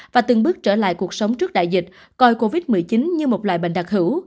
và từng bước trở lại cuộc sống trước đại dịch covid một mươi chín như một loại bệnh đặc hữu